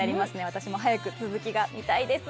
私も早く続きが見たいです。